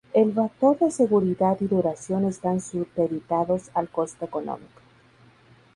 El factor de seguridad y duración están supeditados al costo económico.